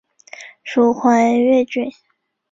属绥越郡。